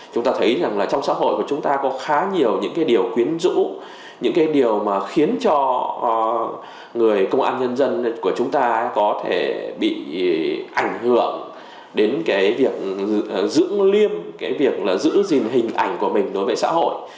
chúng ta thấy rằng là trong xã hội của chúng ta có khá nhiều những cái điều quyến rũ những cái điều mà khiến cho người công an nhân dân của chúng ta có thể bị ảnh hưởng đến cái việc giữ liêm cái việc là giữ gìn hình ảnh của mình đối với xã hội